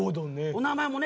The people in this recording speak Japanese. お名前もね